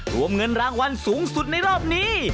รวมเงินรางวัลสูงสุดในรอบนี้